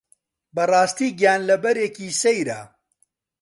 بەڕاستی گیانلەبەرێکی سەیرە